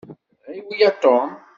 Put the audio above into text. Ɣiwel a Tom.